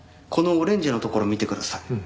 このオレンジのところ見てください。